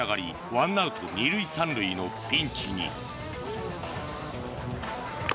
１アウト２塁３塁のピンチに。